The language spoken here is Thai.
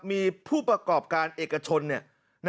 มีผู้ประกอบการเอกชน